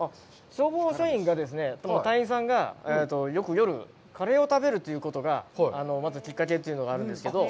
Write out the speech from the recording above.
消防署員が隊員さんがよく夜、カレーを食べるということがまずきっかけというのがあるんですけど。